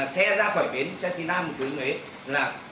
xe ra khỏi bến xe thi nam xe ghế